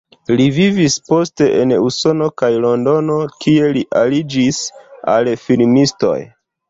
Li vivis poste en Usono kaj Londono, kie li aliĝis al filmistoj.